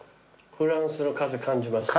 フランスの風感じます。